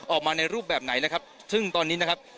ออกมาในรูปแบบไหนนะครับซึ่งตอนนี้นะครับ